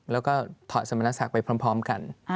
แล้วก็ถอดสมณศักดิ์ไปพร้อมกัน